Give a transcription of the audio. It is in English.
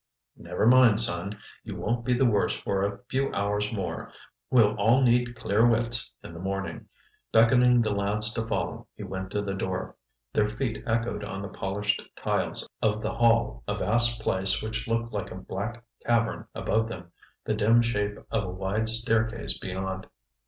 "Never mind, son. You won't be the worse for a few hours more. We'll all need clear wits in the morning." Beckoning the lads to follow, he went to the door. Their feet echoed on the polished tiles of the hall, a vast place which looked like a black cavern above them, the dim shape of a wide staircase beyond.